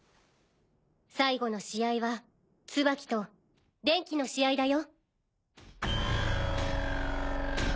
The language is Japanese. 最後の試合はツバキとデンキの試合だよ。